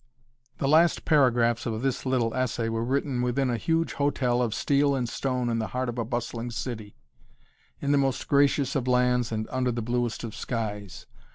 The last paragraphs of this little essay were written within a huge hotel of steel and stone in the heart of a bustling city, in the most gracious of lands and under the bluest of skies.